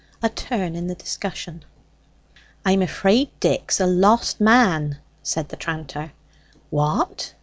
A TURN IN THE DISCUSSION "I'm afraid Dick's a lost man," said the tranter. "What?